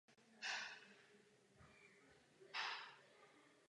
Z těchto dvou věcí si nakonec pro kariéru vybral violoncello.